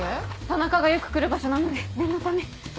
田中がよく来る場所なので念のため。